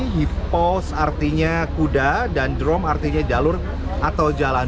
hippo artinya kuda dan drome artinya jalur atau jalan